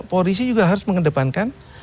polri juga harus mengedepankan